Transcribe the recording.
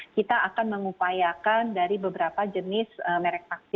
kita akan mengupayakan dari beberapa juta